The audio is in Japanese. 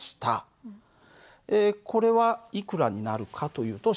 これはいくらになるかというと。